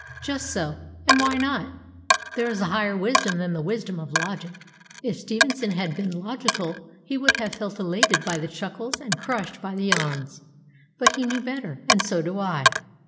Just so. And why not? There is a higher wisdom than the wisdom of logic. If Stevenson had been logical, he would have felt elated by the chuckles and crushed by the yawns. But he knew better, and so do I.